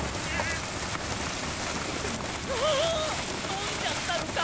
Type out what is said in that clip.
飲んじゃったのか？